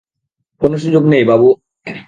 কোনো সুযোগ নেই, বাবু।